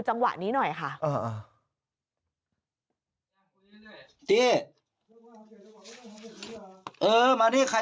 จังหวะนี้หน่อยค่ะ